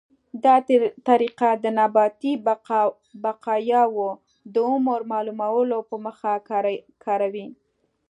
دا طریقه د نباتي بقایاوو د عمر معلومولو په موخه کاروي.